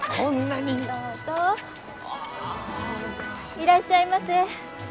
いらっしゃいませ。